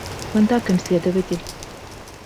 Бында кем следователь?